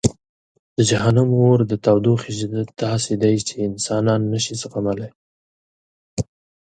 د جهنم د اور د تودوخې شدت داسې دی چې انسانان نه شي زغملی.